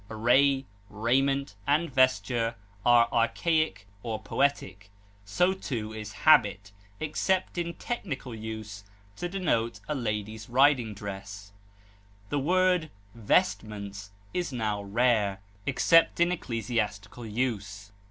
Array, raiment, and vesture are archaic or poetic; so, too, is habit, except in technical use to denote a lady's riding dress. The word vestments is now rare, except in ecclesiastical use.